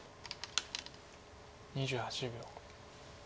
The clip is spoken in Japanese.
２８秒。